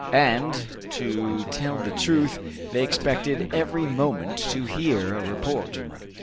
And, to tell the truth, they expected every moment to hear a report.